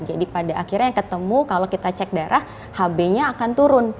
jadi pada akhirnya ketemu kalau kita cek darah hb nya akan turun